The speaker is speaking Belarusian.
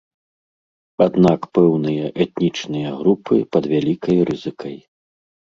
Аднак пэўныя этнічныя групы пад вялікай рызыкай.